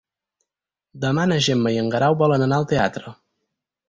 Demà na Gemma i en Guerau volen anar al teatre.